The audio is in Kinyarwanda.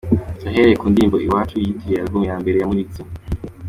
Yahereye ku ndirimbo 'Iwacu' yitiriye Album ya mbere yamuritse.